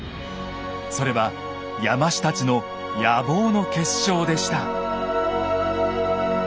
それは山師たちの野望の結晶でした。